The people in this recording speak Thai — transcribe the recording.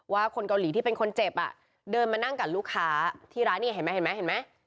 คนเกาหลีที่เป็นคนเจ็บอ่ะเดินมานั่งกับลูกค้าที่ร้านนี่เห็นไหมเห็นไหม